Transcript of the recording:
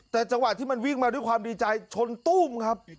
แต่จังหวะที่มันวิ่งมาด้วยความดีใจชนตู้มครับ